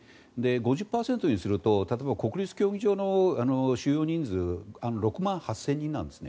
５０％にすると例えば、国立競技場の収容人数は６万８０００人なんですね。